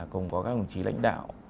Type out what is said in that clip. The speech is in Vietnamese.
cùng có các đồng chí lãnh đạo